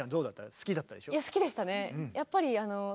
好きでしたね。